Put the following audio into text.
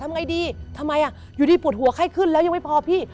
ไงดีทำไมอยู่ดีปวดหัวไข้ขึ้นแล้วยังไม่พอพี่